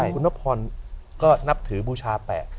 คุณนพรก็นับถือบูชาแปะ